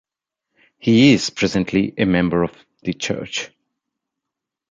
He is presently a member of The Church.